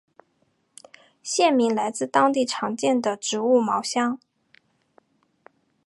县名来自当地常见的植物茅香。